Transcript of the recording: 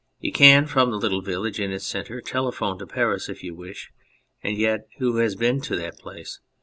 You can from the little village in its centre telephone to Paris if you wish, and yet who has been to that place